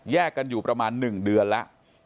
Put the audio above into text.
กันอยู่ประมาณ๑เดือนแล้ว